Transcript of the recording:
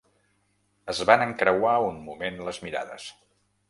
Es van encreuar un moment les mirades.